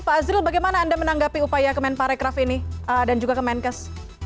pak azril bagaimana anda menanggapi upaya kemenparekraf ini dan juga kemenkes